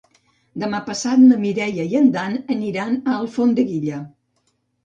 Demà passat na Mireia i en Dan aniran a Alfondeguilla.